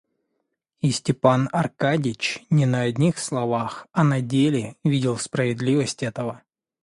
И Степан Аркадьич не на одних словах, а на деле видел справедливость этого.